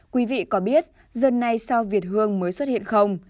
quý vị có biết dân này sao việt hương mới xuất hiện không